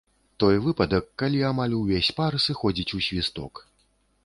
Той выпадак, калі амаль увесь пар сыходзіць ў свісток.